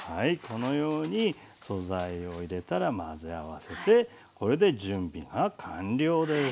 このように素材を入れたら混ぜ合わせてこれで準備が完了です。